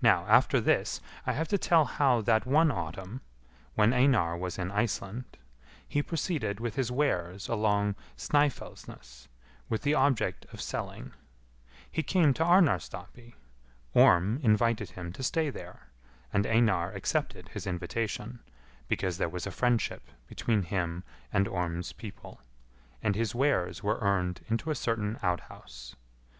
Now after this, I have to tell how that one autumn, when Einar was in Iceland, he proceeded with his wares along Snœfellsnes, with the object of selling; he came to Arnarstapi; Orm invited him to stay there, and Einar accepted his invitation, because there was friendship between him and Orm's people, and his wares were earned into a certain outhouse.